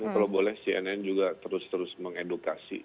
kalau boleh cnn juga terus terus mengedukasi